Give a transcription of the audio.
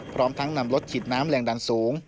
พร้อมทั้งนำรถฉีดน้ำแรงดันสูง